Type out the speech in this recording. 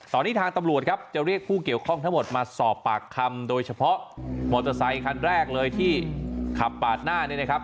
ตอนนี้ทางตำรวจครับจะเรียกผู้เกี่ยวข้องทั้งหมดมาสอบปากคำโดยเฉพาะมอเตอร์ไซคันแรกเลยที่ขับปาดหน้าเนี่ยนะครับ